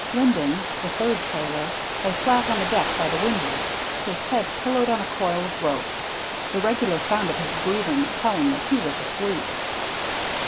Linding, the third sailor, lay flat on the deck by the windlass, his head pillowed on a coil of rope, the regular sound of his breathing telling that he was asleep.